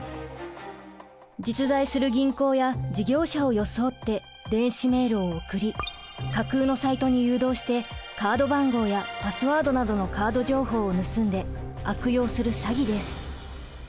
実在する銀行や事業者を装って電子メールを送り架空のサイトに誘導してカード番号やパスワードなどのカード情報を盗んで悪用する詐欺です。